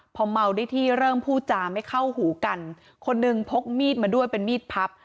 พอเมาได้ที่เริ่มพูดจาไม่เข้าหูกันคนหนึ่งพกมีดมาด้วยเป็นมีดพับ